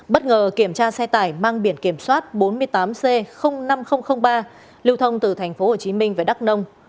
bất ngờ kiểm tra xe tải mang biển kiểm soát bốn mươi tám c năm nghìn ba lưu thông từ tp hcm về đắk nông